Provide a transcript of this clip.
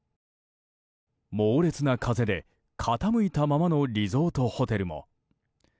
猛烈な風で傾いたままのリゾートホテルも。